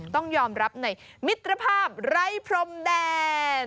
ต้องยอมรับในมิตรภาพไร้พรมแดน